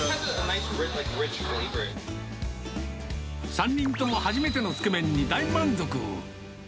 ３人とも初めてのつけ麺に大満足。